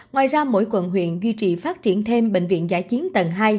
ngoài ra mỗi quận huyện duy trì phát triển thêm bệnh viện giã chiến tầng hai